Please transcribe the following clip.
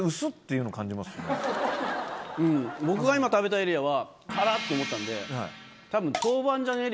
うん僕が今食べたエリアは「辛っ！」って思ったんでたぶん。